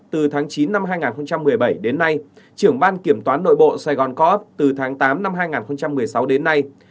từ tháng chín năm hai nghìn một mươi bảy đến nay trưởng ban kiểm toán nội bộ sài gòn co op từ tháng tám năm hai nghìn một mươi sáu đến nay